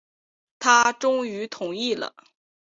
他终于同意了